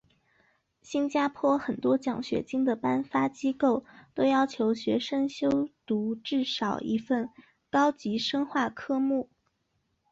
新加坡很多奖学金的颁发机构都要求学生修读至少一份高级深化科目。